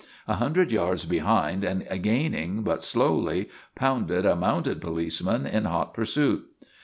A hundred yards behind and gaining but slowly, pounded a mounted policeman in hot pur suit.